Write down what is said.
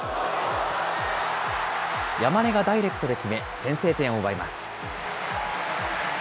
山根がダイレクトで決め、先制点を奪います。